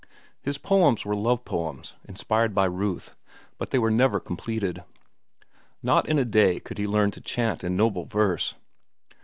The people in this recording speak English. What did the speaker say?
His poems were love poems, inspired by Ruth, but they were never completed. Not in a day could he learn to chant in noble verse.